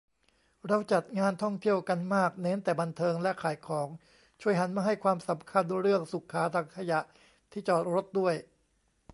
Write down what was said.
เราจัดงานท่องเที่ยวกันมากเน้นแต่บันเทิงและขายของ ช่วยหันมาให้ความสำคัญเรื่องสุขา ถังขยะ ที่จอดรถด้วย